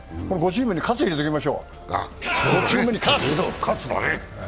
５チームに喝入れておきましょう。